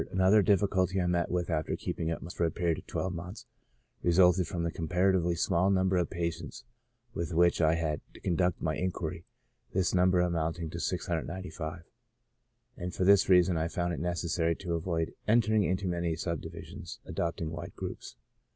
Another difficulty I met with after keeping up my notes for a period of twelve months, resulted from the comparatively small number of patients ^ith which I had to conduct my inquiry, this number amounting to 695 ; and for this reason I found it necessary to avoid entering into many subdivisions, adopting wide groups.